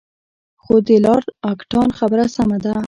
خو د لارډ اکټان خبره سمه ده.